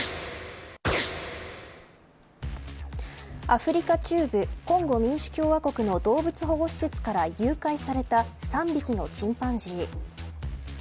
アフリカ中部コンゴ民主共和国の動物保護施設から誘拐された３匹のチンパンジー。